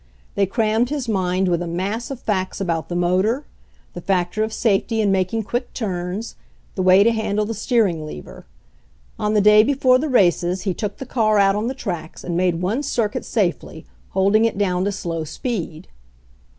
They crammed his mind with a mass of facts about the motor, the factor of safety in making quick turns, the way to handle the steer ing lever. On the day before the races he took the car out on the tracks and made one circuit safely, holding it down to slow speed.